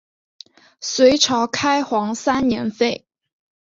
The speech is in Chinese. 隋朝开皇三年废。